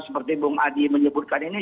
seperti bung adi menyebutkan ini